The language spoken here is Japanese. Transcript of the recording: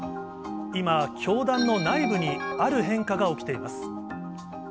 今、教団の内部にある変化が起きています。